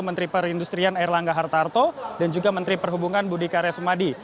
menteri perindustrian erlangga hartarto dan juga menteri perhubungan budi karya sumadi